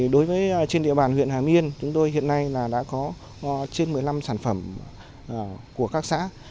đối với trên địa bàn huyện hà miên chúng tôi hiện nay đã có trên một mươi năm sản phẩm của các xã